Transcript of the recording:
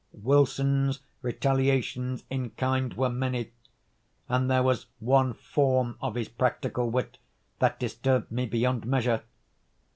Wilson's retaliations in kind were many; and there was one form of his practical wit that disturbed me beyond measure.